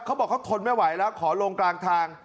เขาบอกเขาทนไม่ไหวแล้วขอลงกลางทาง